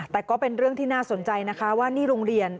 แต่ก็เป็นเรื่องที่น่าสนใจนะคะว่านี่โรงเรียน